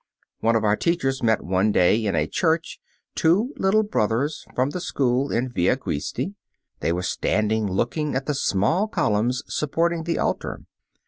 One of our teachers met one day in a church two little brothers from the school in Via Guisti. They were standing looking at the small columns supporting the altar.